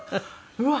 うわっ！